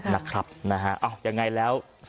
นะครับยังไงแล้ว